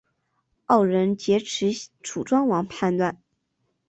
二人劫持楚庄王叛乱。